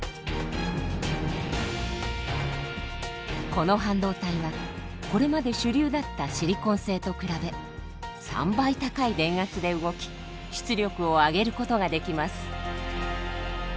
この半導体はこれまで主流だったシリコン製と比べ３倍高い電圧で動き出力を上げることができます。